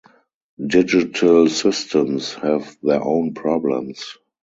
Digital systems have their own problems.